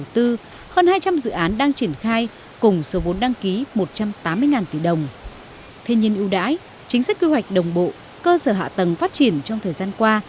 thế nhưng ưu đãi chính sách kế hoạch đồng bộ cơ sở hạ tầng phát triển trong thời gian qua